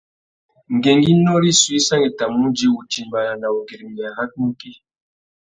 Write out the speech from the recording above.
Ngüéngüinô rissú i sangüettamú udjï wutimbāna na wugüirimiya râ nukí.